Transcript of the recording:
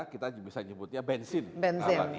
kita bisa nyebutnya bensin